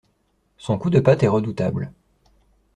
Son coup de patte est redoutable.